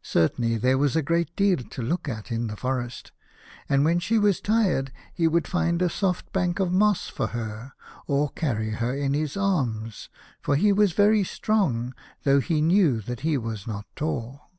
Certainly there was a great deal to look at in the forest, and when she was tired he would find a soft bank of moss for her, or carry her in his arms, for he was very strong, though he knew that he was not tall.